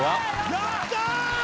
やったー！